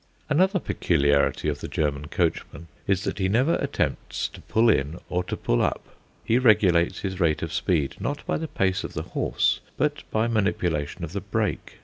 Another peculiarity of the German coachman is that he never attempts to pull in or to pull up. He regulates his rate of speed, not by the pace of the horse, but by manipulation of the brake.